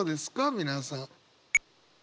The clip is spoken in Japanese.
皆さん。